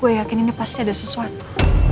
gue yakin ini pasti ada sesuatu